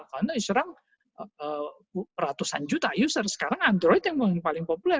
sejak itu sudah ada ratusan juta pengguna sekarang android yang paling populer